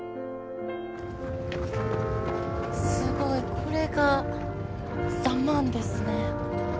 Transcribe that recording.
すごいこれが「ザ・マン」ですね。